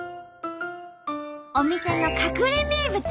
お店の隠れ名物。